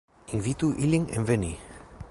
Invitu ilin enveni!